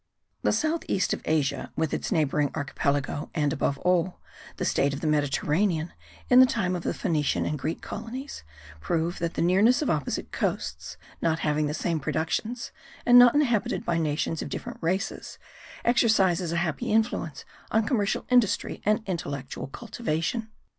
The south east of Asia with its neighbouring archipelago and, above all, the state of the Mediterranean in the time of the Phoenician and Greek colonies, prove that the nearness of opposite coasts, not having the same productions and not inhabited by nations of different races, exercises a happy influence on commercial industry and intellectual cultivation.